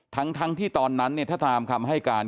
ทั้งที่ตอนนั้นถ้าตามคำให้การ